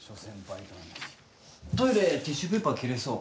トイレティッシュペーパー切れそう。